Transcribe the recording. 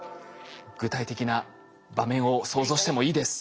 具体的な場面を想像してもいいです。